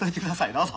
どうぞ。